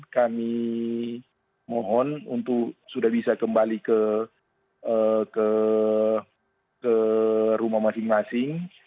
kami mohon untuk sudah bisa kembali ke rumah masing masing